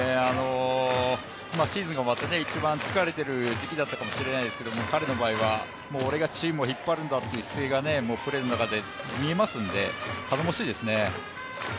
シーズンが終わって一番疲れてる時期だったかもしれないですけど彼の場合は俺がチームを引っ張るんだという姿勢がもうプレーの中で見えますんで頼もしいですね。